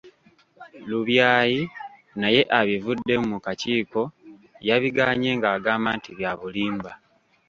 Lubyayi naye ebivuddemu mu kakiiko yabigaanye nga agamba nti bya bulimba.